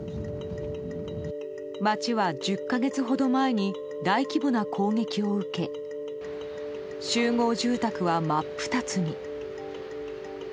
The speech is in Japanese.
街は１０か月ほど前に大規模な攻撃を受け集合住宅は真っ二つに。